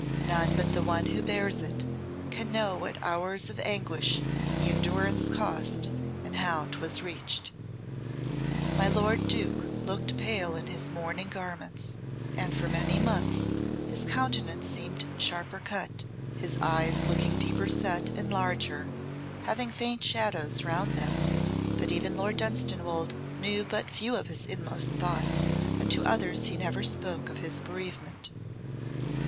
None but the one who bears it can know what hours of anguish the endurance cost and how 'twas reached. My lord Duke looked pale in his mourning garments, and for many months his countenance seemed sharper cut, his eyes looking deeper set and larger, having faint shadows round them, but even Lord Dunstanwolde knew but few of his inmost thoughts, and to others he never spoke of his bereavement.